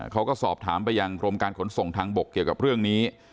เขาก็สอบถามไปยังกรมการขนส่งทางบกเกี่ยวกับเรื่องนี้